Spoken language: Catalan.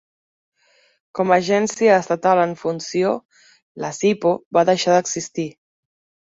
Com agència estatal en funció, la SiPo va deixar d'existir.